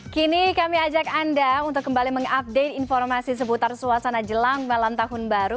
kini kami ajak anda untuk kembali mengupdate informasi seputar suasana jelang malam tahun baru